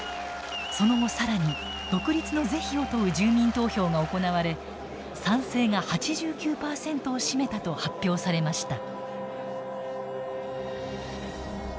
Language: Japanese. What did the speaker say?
その後更に独立の是非を問う住民投票が行われ賛成が８９％を占めたと発表されました。